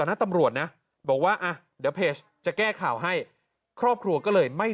นะตำรวจนะบอกว่าอ่ะเดี๋ยวเพจจะแก้ข่าวให้ครอบครัวก็เลยไม่